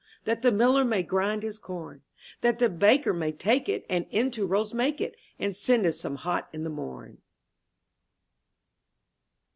*^ That the miller may grind his corn; That the baker may take it, And into rolls make it, And send us some hot in the morn.